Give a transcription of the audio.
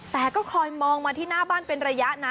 แต่ก็คอยมองมาที่หน้าบ้านเป็นระยะนะ